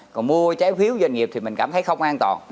còn mua trái phiếu doanh nghiệp thì mình cảm thấy không an toàn